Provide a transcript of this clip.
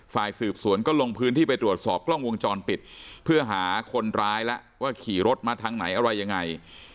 ฝ่ายสืบสวนก็ลงพื้นที่ไปตรวจสอบกล้องวงจรปิดเพื่อหาคนร้ายแล้วว่าขี่รถมาทางไหนอะไรยังไง